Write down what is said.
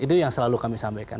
itu yang selalu kami sampaikan